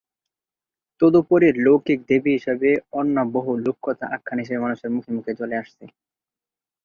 তদুপরি লৌকিক দেবী হিসাবে অন্য বহু লোককথা আখ্যান হিসাবে মানুষের মুখে মুখে চলে আসছে।